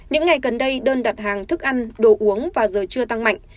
những ngày gần đây đơn đặt hàng thức ăn đồ uống và giờ chưa tăng mạnh